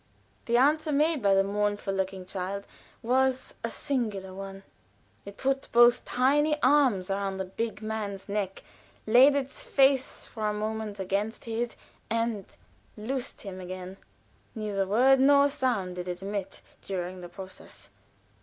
The answer made by the mournful looking child was a singular one. It put both tiny arms around the big man's neck, laid its face for a moment against his, and loosed him again. Neither word nor sound did it emit during the process.